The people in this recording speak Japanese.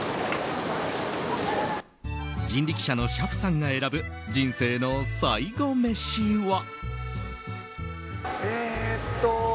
人力車の車夫さんが選ぶ人生の最後メシは。